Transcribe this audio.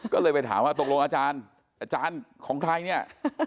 ก็เลยไปถามว่าตกลงอาจารย์อาจารย์ของใครเนี่ย